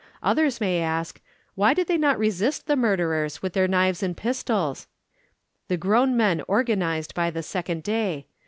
Others may ask, why did they not resist the murderers with their knives and pistols? The grown men organised by the second day.